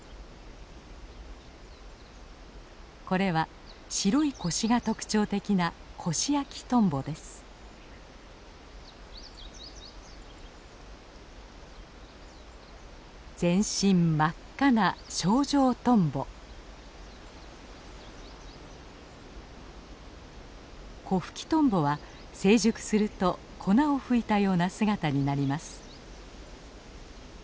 これは白い腰が特徴的な全身真っ赤なコフキトンボは成熟すると粉をふいたような姿になります。